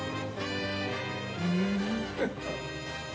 うん。